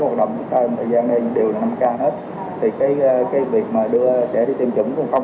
hoạt động trong thời gian này đều là năm k hết thì cái cái việc mà đưa trẻ đi tiêm chủng cũng không